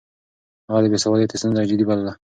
هغه د بې سوادۍ ستونزه جدي بلله.